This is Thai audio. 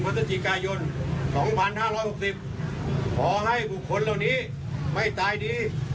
มศจิกายนสองพันห้าร้อยหกสิบขอให้บุคคลเหล่านี้ไม่ตายดี